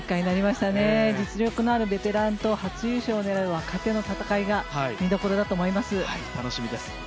実力のあるベテランと初優勝を狙う若手の戦いが見どころだと思います。